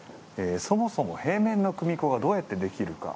そもそも平面の組子がどうやってできるか。